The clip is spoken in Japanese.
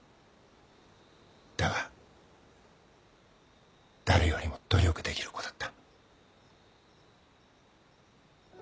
だが誰よりも努力できる子だった。